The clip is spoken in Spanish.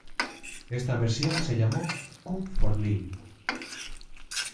Esta versión se llamó "Kun for dig".